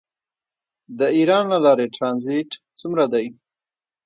د ایران له لارې ټرانزیټ څومره دی؟